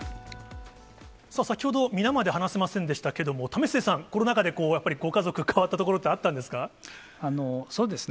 さあ、先ほど皆まで話せませんでしたけれども、為末さん、コロナ禍で、やっぱりご家族、変わったところってあったんですか？